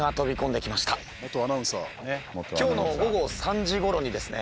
今日の午後３時ごろにですね